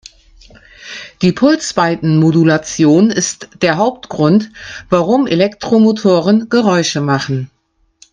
Die Pulsweitenmodulation ist der Hauptgrund, warum Elektromotoren Geräusche machen.